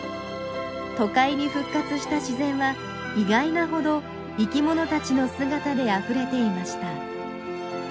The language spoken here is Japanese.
都会に復活した自然は意外なほど生きものたちの姿であふれていました。